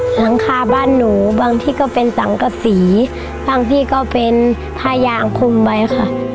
หลังคาบ้านหนูบางที่ก็เป็นสังกษีบางที่ก็เป็นผ้ายางคุมไว้ค่ะ